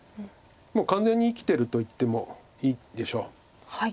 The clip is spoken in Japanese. もう完全に生きてると言ってもいいでしょう。